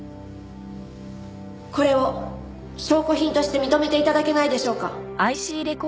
これを証拠品として認めて頂けないでしょうか？